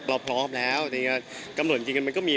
เราพร้อมแล้วจริงกำหนดจริงมันก็มี